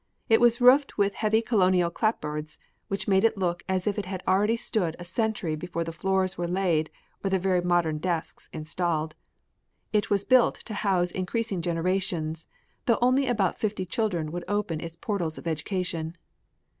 It was roofed with heavy colonial clapboards which made it look as if it had already stood a century before the floors were laid or the very modern desks installed. It was built to house increasing generations, though only about fifty children would open its portals of education.